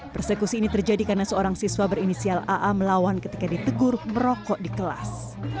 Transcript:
persekusi ini terjadi karena seorang siswa berinisial aa melawan ketika ditegur merokok di kelas